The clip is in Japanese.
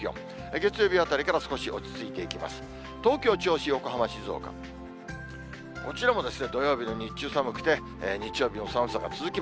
月曜日から少し落ち着いてきますね。